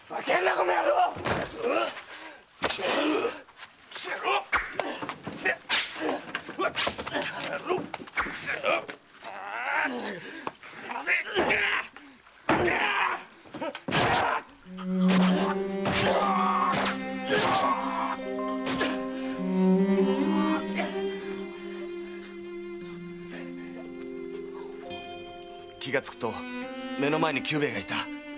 この野郎っ‼〕気がつくと目の前に久兵衛がいた。